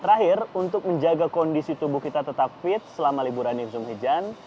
terakhir untuk menjaga kondisi tubuh kita tetap fit selama liburan di zoom hujan